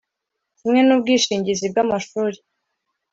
Kimwe n’ ubwishingizi bw’amashuri